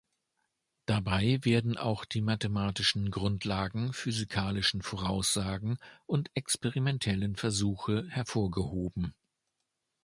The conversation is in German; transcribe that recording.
Dabei werden auch die mathematischen Grundlagen, physikalischen Voraussagen und experimentellen Versuche hervorgehoben.